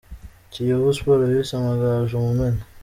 Kiyovu Sports vs Amagaju – Mumena